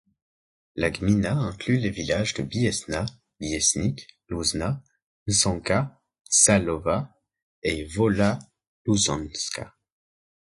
La gmina inclut les villages de Biesna, Bieśnik, Łużna, Mszanka, Szalowa et Wola Łużańska.